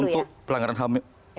untuk pelanggaran ham